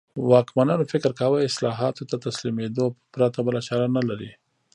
واکمنانو فکر کاوه اصلاحاتو ته تسلیمېدو پرته بله چاره نه لري.